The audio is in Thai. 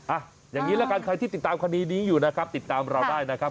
อ่ะอย่างนี้ละกันใครที่ติดตามคดีนี้อยู่นะครับติดตามเราได้นะครับ